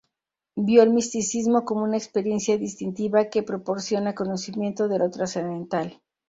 Vio el misticismo como una experiencia distintiva que proporciona conocimiento de lo trascendental.